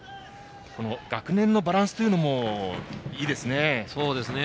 学年のバランスもいいですね。